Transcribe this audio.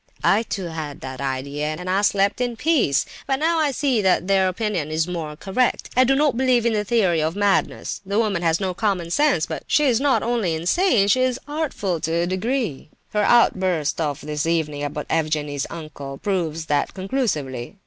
"I too had that idea, and I slept in peace. But now I see that their opinion is more correct. I do not believe in the theory of madness! The woman has no common sense; but she is not only not insane, she is artful to a degree. Her outburst of this evening about Evgenie's uncle proves that conclusively.